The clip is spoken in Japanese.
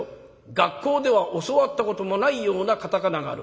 学校では教わったこともないような片仮名がある。